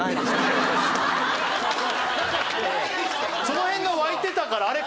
その辺が沸いてたからあれ？